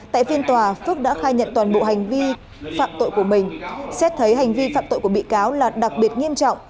tại phiên tòa phước đã khai nhận toàn bộ hành vi phạm tội của mình xét thấy hành vi phạm tội của bị cáo là đặc biệt nghiêm trọng